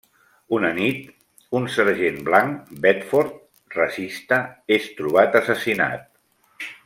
Una nit, un sergent blanc, Bedford, racista, és trobat assassinat.